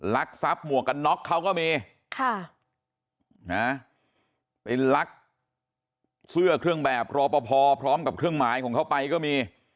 ลักทรัพย์หมวกกันน็อกเขาก็มีไปลักเสื้อเครื่องแบบรอปภพร้อมกับเครื่องหมายของเขาไปก็มี